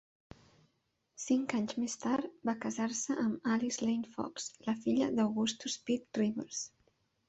Cinc anys més tard va casar-se amb Alice Lane Fox, la filla d'Augustus Pitt Rivers.